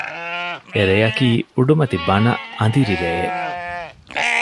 އެ ރެޔަކީ އުޑުމަތި ބަނަ އަނދިރި ރެއެއް